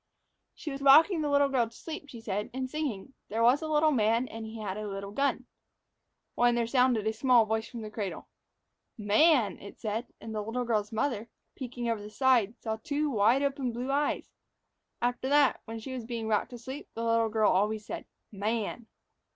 She was rocking the little girl to sleep, she said, and singing, "There was a little man, And he had a little gun," when there sounded a small voice from the cradle. "Man," it said, and the little girl's mother, peeking over the side, saw two wide open blue eyes. After that, when she was being rocked to sleep, the little girl always said, "Man."